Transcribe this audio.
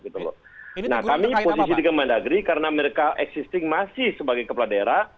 nah kami posisi di kementerian negeri karena mereka existing masih sebagai kepala daerah